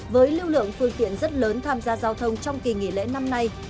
với lưu lượng phương tiện rất lớn tham gia giao thông trong kỳ nghỉ lễ năm nay